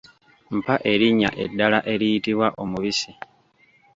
Mpa erinnya eddala eriyitibwa omubisi?